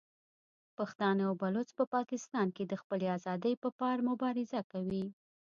پښتانه او بلوڅ په پاکستان کې د خپلې ازادۍ په پار مبارزه کوي.